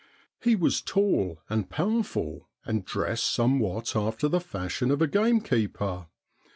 He was tall and powerful, and dressed somewhat after the fashion of a gamekeeper.